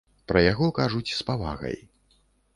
Пра яго кажуць з павагай.